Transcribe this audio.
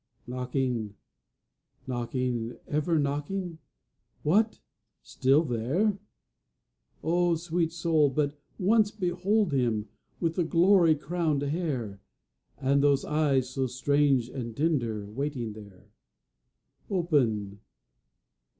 Knocking, knocking, ever knocking? What! Still there? O sweet soul, but once behold Him, With the glory crownèd hair; And those eyes, so strange and tender, Waiting there; Open!